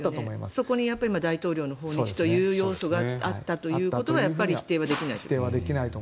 そこに大統領の訪日という要素があったということは否定できないと。